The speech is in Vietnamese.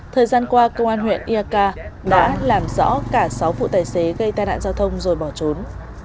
thời gian qua công an huyện iak đã làm rõ cả sáu vụ tài xế gây tai nạn giao thông rồi bỏ trốn